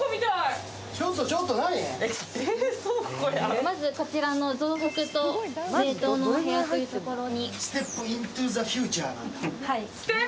まずこちらの増幅と冷凍のお部屋というところに。